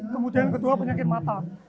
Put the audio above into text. kemudian kedua penyakit mata